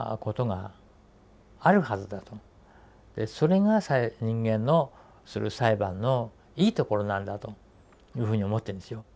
それが人間のする裁判のいいところなんだというふうに思ってるんですよ。